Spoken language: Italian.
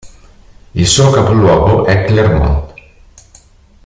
Il suo capoluogo è Clermont.